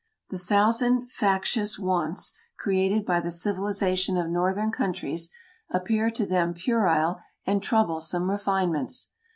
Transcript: The thousand factitious wants, created by the civilization of northern countries, appear to them puerile and troublesome refinements.